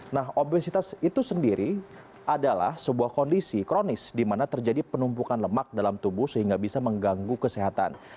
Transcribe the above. nah obesitas itu sendiri adalah sebuah kondisi kronis di mana terjadi penumpukan lemak dalam tubuh sehingga bisa mengganggu kesehatan